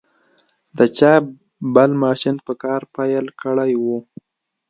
د چاپ بل ماشین په کار پیل کړی و.